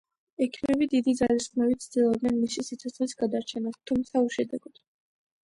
ექიმები დიდი ძალისხმევით ცდილობდნენ მისი სიცოცხლის გადარჩენას, თუმცა უშედეგოდ.